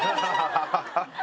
ハハハハ！